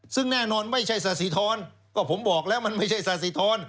ซึ่งแน่นอนไม่ใช่สาธิธรก็ผมบอกแล้วมันไม่ใช่สาธิธร